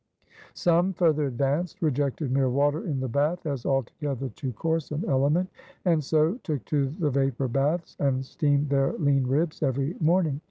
Some, further advanced, rejected mere water in the bath, as altogether too coarse an element; and so, took to the Vapor baths, and steamed their lean ribs every morning.